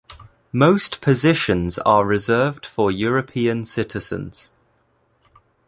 Most positions are reserved for European citizens.